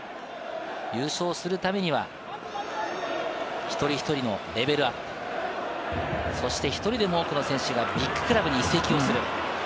優勝するためには、一人一人のレベルアップ、そして１人でも多くの選手がビッグクラブに移籍をする。